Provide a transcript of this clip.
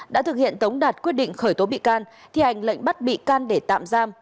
đã thực hiện tống đạt quyết định khởi tố bị can thi hành lệnh bắt bị can để tạm giam